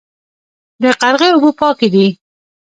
د قرغې اوبه پاکې دي